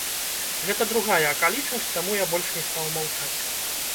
Гэта другая акалічнасць, чаму я больш не стаў маўчаць.